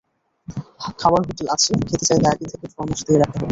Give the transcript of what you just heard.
খাবার হোটেল আছে, খেতে চাইলে আগে থেকে ফরমাশ দিয়ে রাখতে হবে।